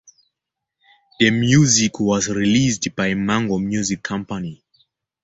The music was released by Mango Music Company.